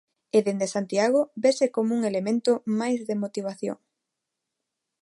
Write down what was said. E dende Santiago vese como un elemento máis de motivación.